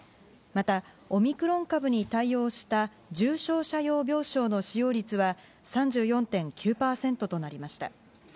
また、オミクロン株に対応した重症者用病床の使用率は３４．９％となりました。